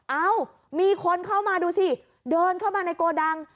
เอ้ามีคนเข้ามาดูสิเดินเข้ามาในโกดัง